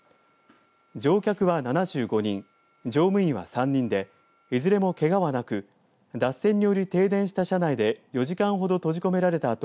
乗客は７５人乗務員は３人でいずれもけがはなく脱線により停電した車内で４時間ほど閉じ込められた